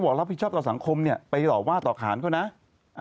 โดยการที่ก็บางคนก็จะรู้สึกว่า